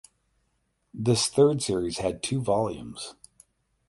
This (third) series had two volumes.